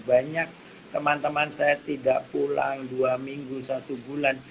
banyak teman teman saya tidak pulang dua minggu satu bulan